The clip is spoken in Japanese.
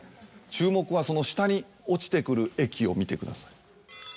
注目はその下に落ちて来る液を見てください。